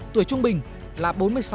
tuổi trung bình là bốn mươi sáu hai